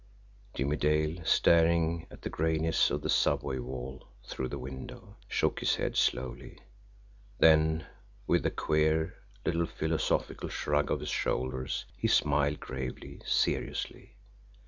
Jimmie Dale, staring at the grayness of the subway wall through the window, shook his head slowly then, with a queer little philosophical shrug of his shoulders, he smiled gravely, seriously.